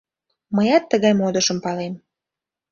Мыят тыгай модышым палем.